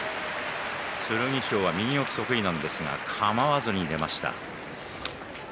剣翔は右四つ得意なんですがかまわず出ました。